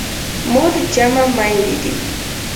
د مور جمع میندي دي.